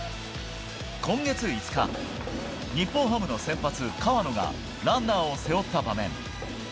今月５日、日本ハムの先発河野がランナーを背負った場面。